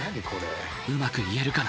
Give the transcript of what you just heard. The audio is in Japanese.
うまく言えるかな。